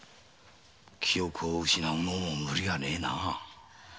記憶を失うのも無理はねえな。